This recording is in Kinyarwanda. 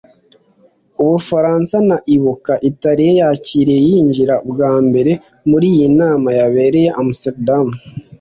u Bufaransa na Ibuka-Italie yakiriwe yinjira bwa mbere muri iyi nama yabereye Amsterdam